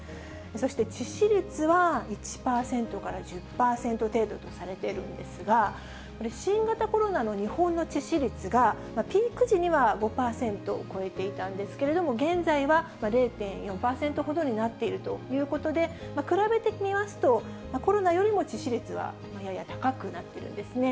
そして致死率は１％から１０％程度とされているんですが、新型コロナの日本の致死率がピーク時には５％を超えていたんですけれども、現在は０．４％ほどになっているということで、比べてみますと、コロナよりも致死率はやや高くなってるんですね。